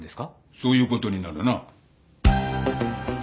そういう事になるな。